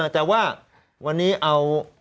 แต่ว่าวันนี้เอา